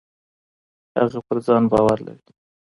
هغه پر ځان باور لري.